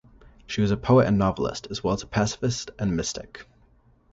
She was a poet and novelist, as well as a pacifist and mystic.